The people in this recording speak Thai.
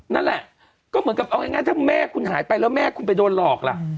นั่นแหละก็เหมือนกับเอาง่ายถ้าแม่คุณหายไปแล้วแม่คุณไปโดนหลอกล่ะ